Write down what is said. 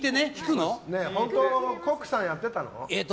本当にコックさんやってたの？